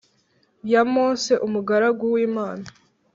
ya Mose umugaragu w Imana